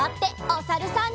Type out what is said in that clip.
おさるさん。